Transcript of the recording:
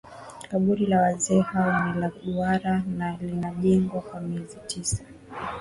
Kaburi la Wazee hao ni la duara na linajengwa kwa miezi tisa